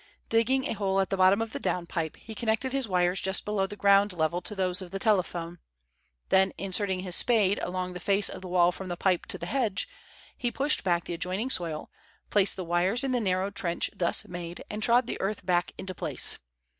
Digging a hole at the bottom of the down pipe, he connected his wires just below the ground level to those of the telephone. Then inserting his spade along the face of the wall from the pipe to the hedge, he pushed back the adjoining soil, placed the wires in the narrow trench thus made, and trod the earth back into place.